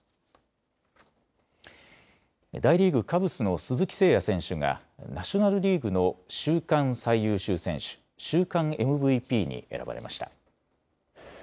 大リーグ、カブスの鈴木誠也選手がナショナルリーグの週間最優秀選手、週間ＭＶＰに選ばれました。